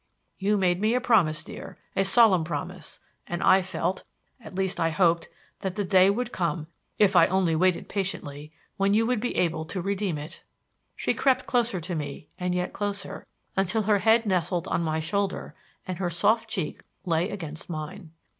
"You made me a promise, dear a solemn promise; and I felt at least I hoped that the day would come, if I only waited patiently, when you would be able to redeem it." She crept closer to me and yet closer, until her head nestled on my shoulder and her soft cheek lay against mine.